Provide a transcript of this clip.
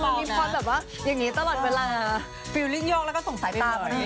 มันมีความแบบว่าอย่างนี้ตลอดเวลารู้สึกยอกแล้วก็สงสัยตาขนาดนี้